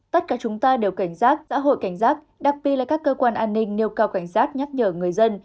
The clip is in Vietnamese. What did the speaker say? tất cả chúng ta đều cảnh giác xã hội cảnh giác đặc biệt là các cơ quan an ninh nêu cao cảnh giác nhắc nhở người dân